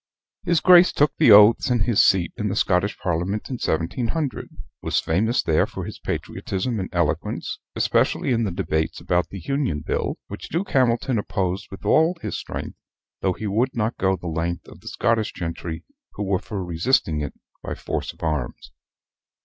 His Grace took the oaths and his seat in the Scottish parliament in 1700: was famous there for his patriotism and eloquence, especially in the debates about the Union Bill, which Duke Hamilton opposed with all his strength, though he would not go the length of the Scottish gentry, who were for resisting it by force of arms.